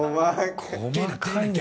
細かいね。